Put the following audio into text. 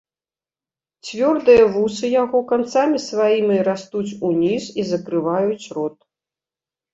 Цвёрдыя вусы яго канцамі сваімі растуць уніз і закрываюць рот.